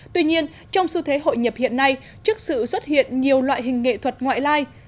tuy nhiên trong xu thế hội nhập hiện nay trước sự xuất hiện nhiều loại hình nghệ thuật ngoại lai